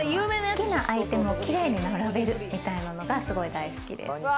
好きなアイテムをキレイに並べるみたいなのがすごい大好きです。